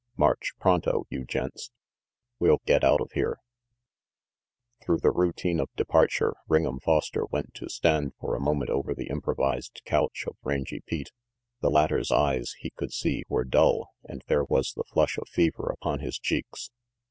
March, pronto, you gents. We'll get out of here." Through the routine of departure, Ring'em Foster went to stand for a moment over the improvised couch of Rangy Pete. The latter's eyes, he could see, were dull, and there was the flush of fever upon his cheeks.